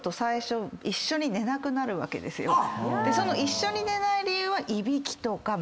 その一緒に寝ない理由は。